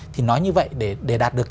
thì nói như vậy để đạt được